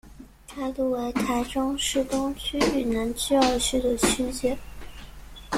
该路为台中市东区与南区二区的区界。